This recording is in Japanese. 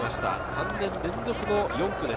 ３年連続４区です。